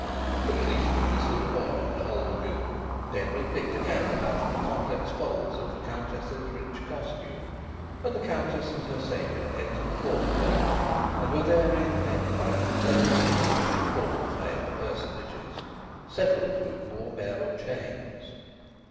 The policeman whistled a boy to hold the mule. Denry picked a carrot out of the complex folds of the Countess's rich costume. And the Countess and her saviour entered the portico and were therein met by an imposing group of important male personages, several of whom wore mayoral chains.